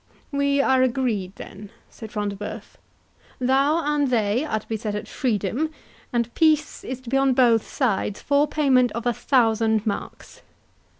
"We are agreed then," said Front de Bœuf—"thou and they are to be set at freedom, and peace is to be on both sides, for payment of a thousand marks.